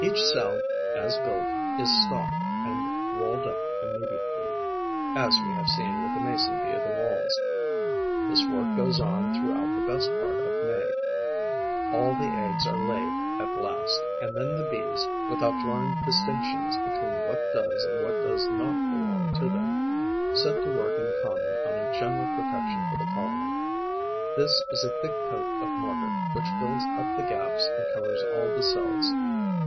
Each cell, as built, is stocked and walled up immediately, as we have seen with the Mason bee of the Walls. This work goes on throughout the best part of May. All the eggs are laid at last; and then the Bees, without drawing distinctions between what does and what does not belong to them, set to work in common on a general protection for the colony. This is a thick coat of mortar, which fills up the gaps and covers all the cells.